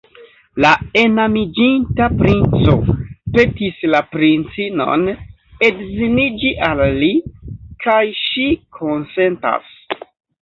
La enamiĝinta princo petis la princinon edziniĝi al li, kaj ŝi konsentas.